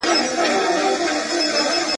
کښتۍ په نيت چلېږي.